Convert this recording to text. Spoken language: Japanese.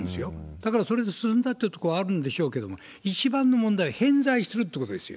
だからそれで進んだっていう所もあるんでしょうけれども、一番の問題は、偏在するということですよ。